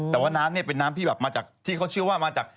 แต่ว่าน้ำนี้เป็นน้ำที่เขาเชื่อว่ามาจาก